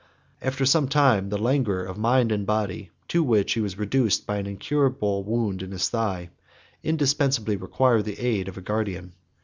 After some time the languor of mind and body, to which he was reduced by an incurable wound in his thigh, indispensably required the aid of a guardian.